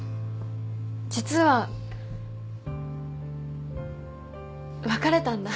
実は別れたんだ。